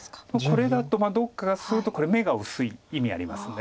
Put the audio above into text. これだとどうかするとこれ眼が薄い意味ありますんで。